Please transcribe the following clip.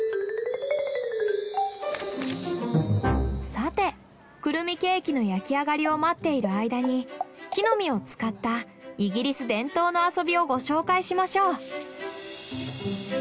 さてクルミケーキの焼き上がりを待っている間に木の実を使ったイギリス伝統の遊びをご紹介しましょう。